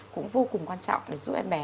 cũng vô cùng quan trọng để giúp em bé